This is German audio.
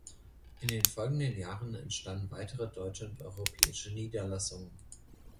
In den folgenden Jahren entstanden weitere deutsche und europäische Niederlassungen.